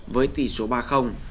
với tỷ số ba